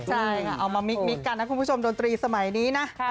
ใช่ค่ะเอามามิกกันนะคุณผู้ชมดนตรีสมัยนี้นะ